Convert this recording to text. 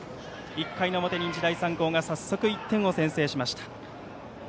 １回の表に日大三高が早速１点を先制しました。